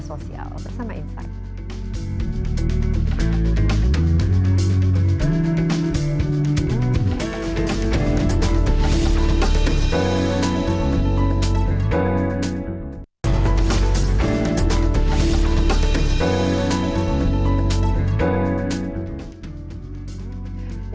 sosial bersama insight